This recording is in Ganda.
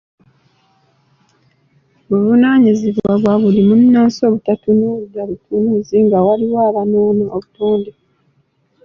Buvunaanyizibwa bwa buli munnansi obutatunula butunuzi nga waliwo aboonoona obutonde.